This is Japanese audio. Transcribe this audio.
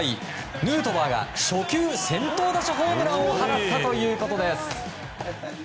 ヌートバーが初球先頭打者ホームランを放ったということです。